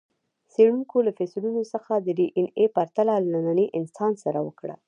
څېړونکو له فسیلونو څخه د ډياېناې پرتله له ننني انسان سره وکړه.